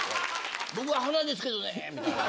「僕は鼻ですけどね」みたいな。